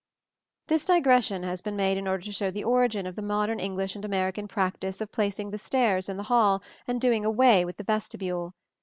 This digression has been made in order to show the origin of the modern English and American practice of placing the stairs in the hall and doing away with the vestibule.